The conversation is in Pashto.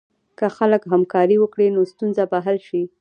که خلک همکاري وکړي، نو ستونزه به حل شي.